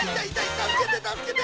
たすけてたすけて！